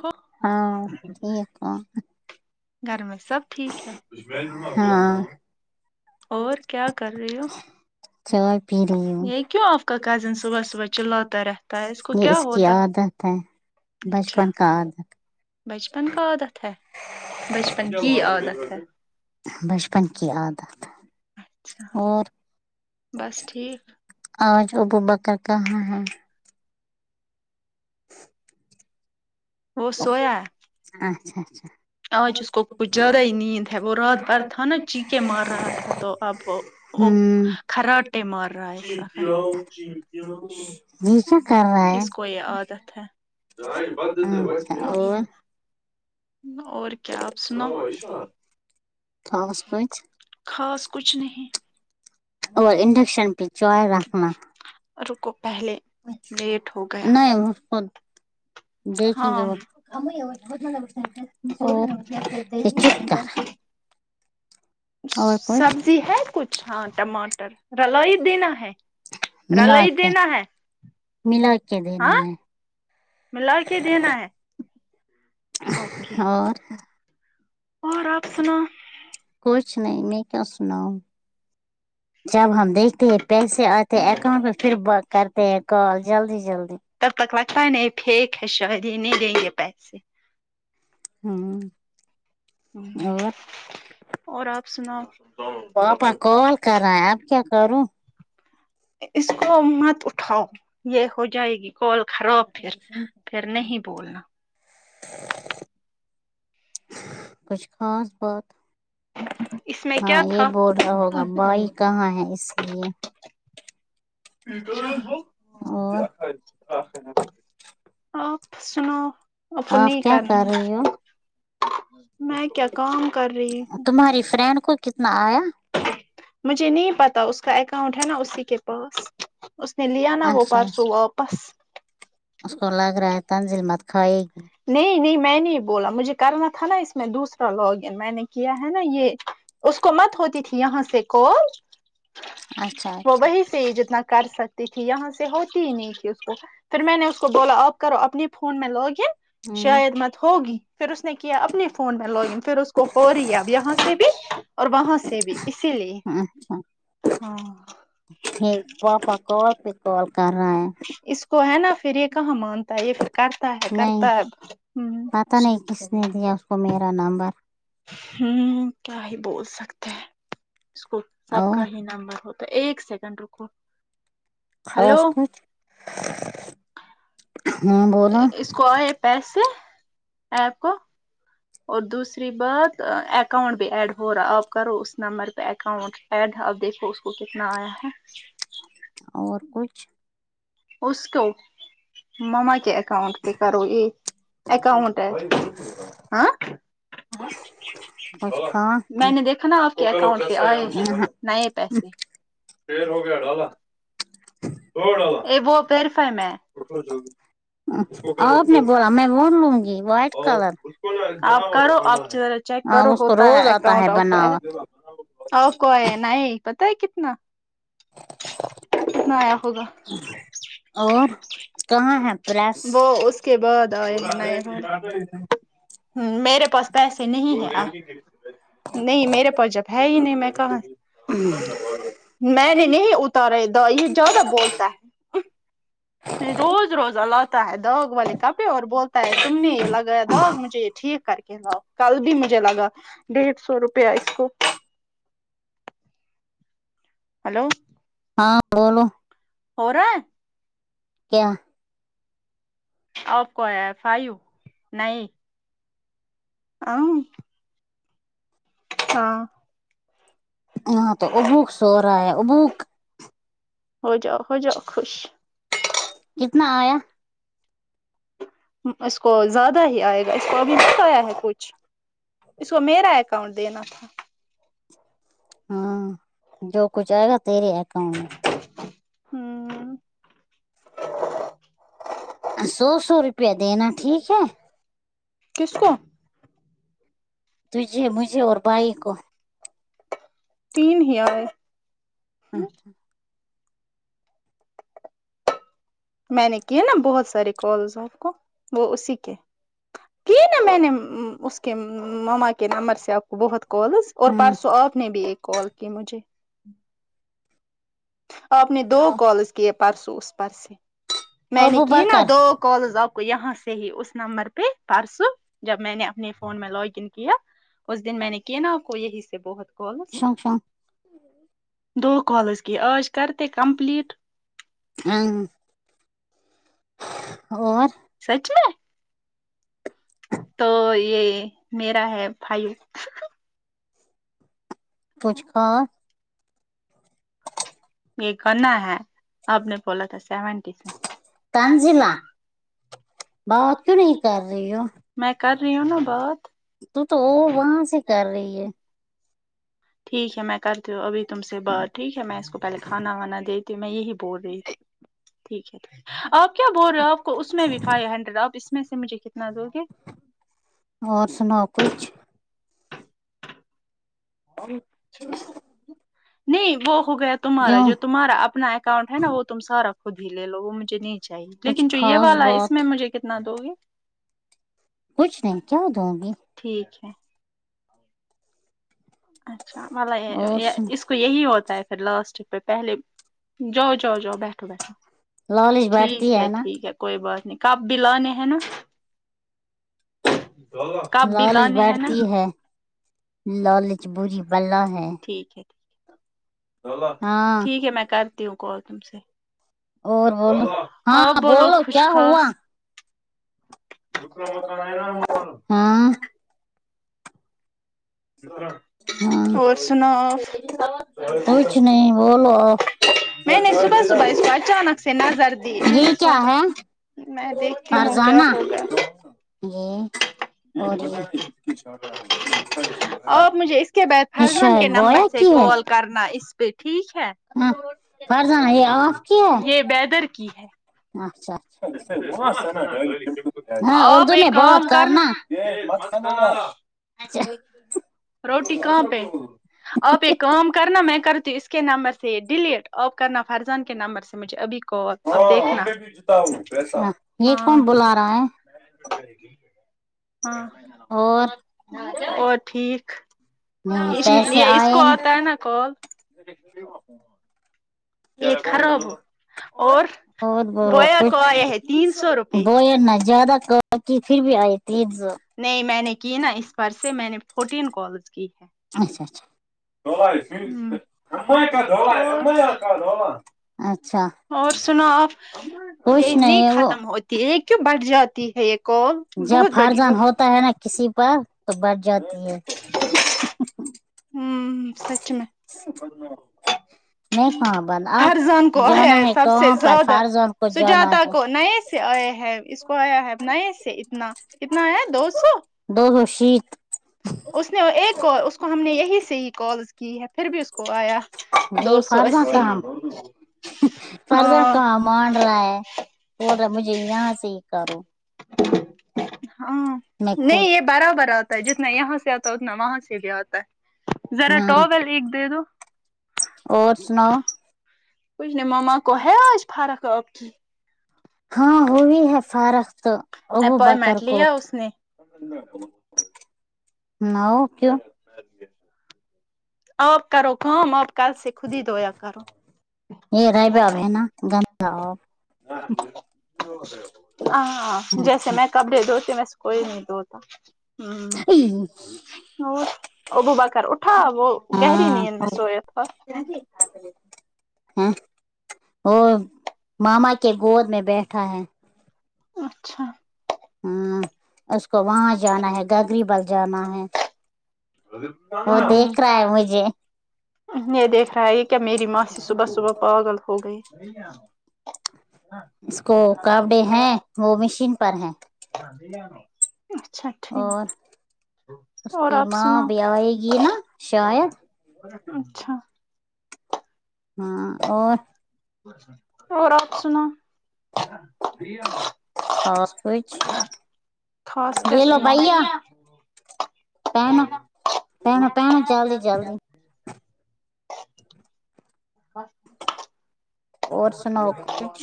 کو ہاں ٹھیک گھر میں سب ٹھیک ہے ہاں اور کیا کر رہے ہو چائے پی رہی ہوں یہ کیوں آپ کا کزن صبح صبح چلاتا رہتا ہے کو یہ کیا اس کی ہوتا عادت اچھا بچپن کاد بچپن کا عادت ہے بچپن کی عادت ہے بچپن کی عادت اچھا اور بس ٹھیک آج ابوبکر کہاں ہے وہ سویا ہے اچھا اچھا آج اس کو کچھ زیادہ ہی نیند ہے وہ رات بھر تھا نا چیکے مار رہا تھا تو اب وہ او ہوں کراٹے مار رہا ایسا یہ کیا کر رہا ہے اس کو یہ عادت ہے اچھا اور اور کیا آپ سناؤ خاص کچھ خاص کچھ نہیں اور انڈکشن پہ چوائے رکھنا رکو پہلے لیٹ ہو گیا نہیں اس کو دیکھیں گے ہاں وہ چپ کرا کچھ سبزی ہے کچھ ہاں ٹماٹر رلوئی دینا ہے رل ہی دینا ہے ملوک دن ہاں ملا کے دینا ہے اوکے اور اور آپ سنا کچھ نہیں میں کیا سناؤں جب ہم دیکھتے ہیں پیسے آتے اکاؤنٹ پ پھر کرتے ہیں کال جلدی جلدی تب تک لگتا ہی نہیں پھینیک ہے شید نہیں دیں گے پیسے ہاں اور آپ سناو پاپا کال کر رہا ہے اب کیا کروں اس کو مت اٹھاؤ یہ ہو جائے گی کال خراب پھر پھر نہیں بولنا کچھ خاص بات اس میں ہاں کیا یہ تھا بول رہاہوگا بھائی کہاں ہے اس لیے اور آپ سناو اب آپ نہیں کیا کر کرنا رہی ہو میں کیا کام کر رہی ہوں تمہاری فرینڈ کو کتنا آیا مجھے نہیں پتا اس کا اکاؤنٹ ہے نا اسی کے پاس اس نے لیا نا وہ اچھا اچھا پرسو واپ بس اس کو لگ رہا ہے تنزیل مت کھائے گی نہیں نہیں میں نے ہی بولا مجھے کرنا تھا نا اس میں دوسرا لاگن میں نے کیا ہے نا یے اس کو مت ہوتی تھی یہاں سے کال اچھا وہ اچھا وہی سے سے جتنا کر سکتی تھی یہاں سے ہوتی ہی نہیں تھی اس کو پھر میں نے اس کو بولا آپ کرو اپنی فون میں لاگن ان ہ شاید مت ہوگی پھر اس نے کیا اپنے فون میں لاگن پھر اس کو ہو رہی ہے اب یہاں سے بھی اور وہاں سے بھی اسی لیے اچھا ہاں ٹھیک پاپا کال پہ کال کر رہےہے اس کو ہے نا پھر یہ کہاں مانتا ہے یہ پ کرتا ہے کرتا ہے امم تا نہیں کس نے دیا اس کو میرا نمبر ہمم کیا ہی بول سکتے ہیں اس کو سب کا اور ہی نمبر ہوتا تو ایک سیکنڈ رکو خاص ہلو کچھ بولا اس کو ائے پیسے ایپ کو اور دوسری بات اکاؤنٹ بھی ایڈ ہو رہا ہے آپ کرو اس نمبر پے اکاؤنٹ ایڈ اب دیکھو اس کو کتنا آیا ہے اور کچھ اس کو مما کے اکاؤنٹ پے کرو یے اکاؤنٹ ہاں کچھ کھا میں نے دیکھا نا آپ کے اکاؤنٹ پے آئے ہیں نئے پیسے پے ہو گیا ڈالا دو ڈالا اے وہ پیری فائیو میں ہے اٹھو جلدی لوں گی وائٹ کلر آپ کرو آپ چیک ہاں کرو اس کو ہوتا ہے روز آتا اکاؤنٹ آپ کا بناوٹ آپ کو ائے نئی پتا ہے کتنا کتنا آیا ہوگا اور کہاں ہے پرس وہ اس کے بعد آئے ہیں ہیں میرے پاس پیسے نہیں ہیں آ نہیں میرے پس جب ہے ہی نہیں میں کہاں سے میں نے نہیں ات تارے دوئ یے جیادہ بولتا ہے روز روزہ لاتا ہے داغ والے کپڑے اور بولتا ہے تم نے یے لگایا داغ مجھے یے ٹھیک کر کے کل بھی مجھے لگا ڈیڑھ سو روپیہ اس کو ہلو ہاں بولو ہورا ہے کیا آپ کو ایا ہے فائیو نہیں آآ ہاں یہاں تو ابوک سورہا ہے ابوک ہو جاؤ ہو جاؤ خوش کتنا آیا اس کو زیادہ ہی آئے گا اس کو ابھی نہیں آیا ہے کچھ اس کو میرا ہے اکاؤنٹ دینا تھا ہاں جو کچھ آئے گا تیرے اکاؤٹ میں آمم سو سو روپیہ دینا ٹھیک ہے کس کو تجھے مجھے اور بھائی کو تین ہی آئے میں نے کیے نا بہت سارے کالز ان کو وہ اسی کے کی نا میں نے اس کے ماما کے نمبر سے آپ کو بہت کالز اور پرسوں آپ نے بھی ایک کال کی مجھے آپ نے دو کالز کیے پرسوں اس پرس سے میں نے ابو کی نا بکر دو کالز آپ کو یہاں سے ہی اس نمبر پے پرسوں جب میں نے اپنے فون میں لوگن کیا اس دن میں نے کیا نا آپ کو یہی سے بہت کالز شونگ شونگ دو کالز کی آج کرتے کمپلیٹ ہاں اور سچ میں تو یہ میرا ہے بھائی کچھ کاں یہ کرنا ہے آپ نے بولا تھا سیونٹی سے تنزلہ بات کیوں نہیں کر رہی ہو میں کر رہی ہوں نا بات تو تو وہ وہاں سے کر رہی ہے ٹھیک ہے میں کرتی ہوں ابھی تم سے بات ٹھیک ہے میں اس کو پہلے کھانا وانا دیتی ہوں میں یہی بول رہی تھی ٹھیک ہے آپ کیا بول رہے ہو آپ کو اس میں بھی فائیو ہنڈریڈ آپ اس میں سے مجھے کتنا دو گے اور سناؤ کچھ نہیں وہ ہو گیا تمہارا کیوں جو تمہارا اپنا اکانٹ ہے نا وہ تم سارا خود ہی لے لو وہ مجھے نہیں چاہیے کچھ لیکن جو یہ خاص والا ہے اس میں بات مجھے کتنا دو گی کچھ نہیں کیا دوں گی ٹھیک ہے اچھا اور سنو اس تو یہی ہوتا ہے پھر لاسٹ پہ پہلے جاؤ جاؤ جاؤ بیٹھو بیٹھو لالچ بڑھتی ہے نہ کوئی بات نہیں کپ بھی لانے ہے نا کب بھی لالچ لانے ہیں نا بڑھتی ہے لالچ بری بلا ہے ٹھیک ہے ہاں ٹھیک ہے میں کرتی ہوں کال تم سے اور بولو آپ ہاں بولو کچھ کیا ہوا خاص ہاں ہاں اور سناف کچھ نہیں بولو آپ میں نے صبح صبح اس کو اچانک سے نظر دی میں یہ نے کیا سوچا ہے میں دیکھتی ہوں کیا فرزانہ ہوگیا جی آپ مجھے اس کے بعد [unintelligible] فرزان ایشر کے بویا نمبر سے کی ہے کال کرنا اس پہ ٹھیک ہے ہاں فرزانہ یہ آف کی ہے یہ ویدر کی ہے اچھا آپ اردو ایک میں بہت کام کرنا کرنانا [unintelligible] روٹی کہاں پہ آپ ایک کام کرنا میں کرتی اس کے نمبر سے یہ ڈیلیٹ آف کرنا فرزان کے نمبر سے مجھے ابھی کو اب دیکھنا یہ ہاں کون بلا رہا ہے ہاں اور اور ٹھیک نہیں اس پیسے یہ اس کو آئے آتا ہے نا کال [unintelligible] یہ خراب اور اورت بولو بویا کچھ کو آیا ہے تین سو روپے دو نہ زیادہ کر [unintelligible] نہیں میں نے کی نا اس پر سے میں نے فورٹین کالز کی ہے اچھا اچھا [unintelligible] اچھا اور سنو آپ یہ کچھ نہیں وہ ختم ہوتی ہے یہ کیوں بڑھ جاتی ہے ایک کو جب بہت بڑی ہو فرزان ہوتا ہے نا کسی پر تو بڑھ جاتی ہے ہم سچ میں میں کہاں بند آپ فرضان کو آ جانا ہے سب سے کہاں پر زیادہ فرزان کو جانا سجاتا ہے کو نئے سے آئے ہے اس کو آیا ہےنا سے اتنا اتنا آیا دو سو دوشت اس نے ایک اس کو ہم نے یہی سے ہی کالس کی ہے پھر بھی اس کو آیا دو یہ سو فرزا اسی کام فرضا ہاں کام مان رہا ہے بول رہا مجھے یہاں سے ہی کرو ہاں میں نہیں خود یہ بارہ بار تھا جتنا یہاں سے آتا ہے اتنا وہاں سے بھی آتا ہے ذرا ہاں ٹاول ایک دے دو اور سناؤ کچھ نے مما کو ہے آج فرق آپ کی ہاں وہی ہے فارق تو ابو بکر اپوائنمنٹ کو لیا اس نے نہ کیوں آپ کرو کام آپ کل سے خود ہی دھویا کرو یہ رائبہ اب ہے نا گنداپ ہاں جیسے میں کپڑے دھوتے ویس کوئی نہیں دھوتا ہوں ہاں اور ابوبا کر اٹھا وہ گہری نیند میں سوئے تھا ہے وہ ماما کے گود میں بیٹھا ہے اچھا ہاں اس کو وہاں جانا ہے گری بل جانا ہے وہ دیکھ رہا ہے مجھے [unintelligible] یہ دیکھ رہا ہے کیا میری ماسی صبح صبح پاگل ہو گئی اس کو کاپڑے ہیں وہ مشین پر ہے اچھا ٹھیک اور اس اور کی آپ ماں سناو بھی آئے گی نا شاید اچھا ہاں اور اور آپ سنا فاس کو خاص کیا سنا پہنا پہنا پہنا چلدی چلدی باں اور سناو کچھ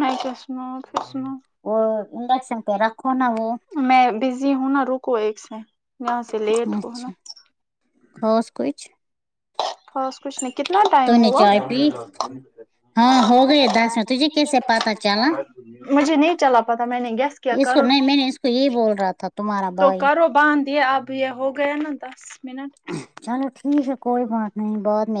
نسوسمو فشمو وہ انڈکشن پہ رکھو نا وہ میں بزی ہوں نا رکو ایک سے یہاں سے لیٹ ہو نا اچھا اورس کچ بس کچھ نہیں کتنا ٹائم ہوا چائے پی ہاں ہو گئے دس میں تجھے کیسے پتا چلا مجھے نہیں چلا پتا میں نے گیسٹ اس کو نہیں میں نے اس کو یہی بول رہا تھا تمہارا ب تو کرو باند یہ اب یہ ہو گیا نا دس منٹ چلو ٹھیک ہے کوئی بات نہیں بات